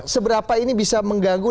seberapa ini bisa mengganggu